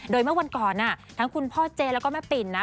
โดยเมื่อวันก่อนทั้งคุณพ่อเจแล้วก็แม่ปิ่นนะ